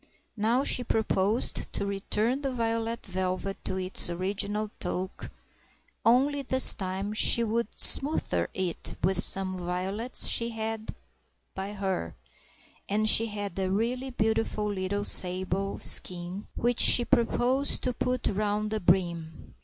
Now she proposed to return the violet velvet to its original toque, only this time she would smother it with some violets she had by her, and she had a really beautiful little sable skin which she proposed to put round the brim.